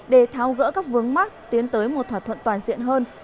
để thao gỡ các vướng mắt tiến tới một thỏa thuận toàn diện hơn